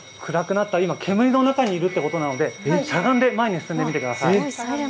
今煙、の中に入るということなのでしゃがんで前に進んでみてください。